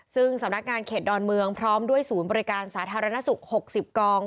ซึ่งสำนักงานเขตดอนเมืองพร้อมด้วยศูนย์บริการสาธารณสุข๖๐กอง